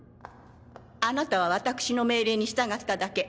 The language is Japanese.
あなたはわたくしの命令に従っただけ。